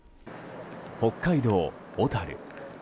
北海道小樽。